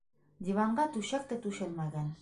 Диванға түшәк тә түшәлмәгән.